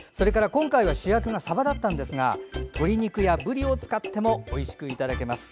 今回は主役がさばだったんですが鶏肉やぶりを使ってもおいしくいただけます。